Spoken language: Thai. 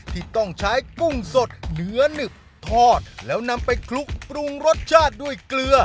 ที่ต้องใช้กุ้งสดเนื้อหนึบทอดแล้วนำไปคลุกปรุงรสชาติด้วยเกลือ